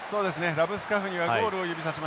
ラブスカフニはゴールを指さしました。